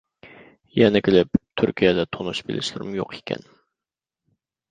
يەنە كېلىپ تۈركىيەدە تونۇش بىلىشلىرىمۇ يوق ئىكەن.